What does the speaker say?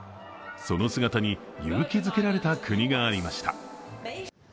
その姿に勇気づけられた国がありました。